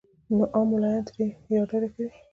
نو عام ملايان ترې يا ډډه کوي